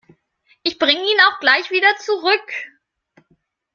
Ich bringe ihn auch gleich wieder zurück.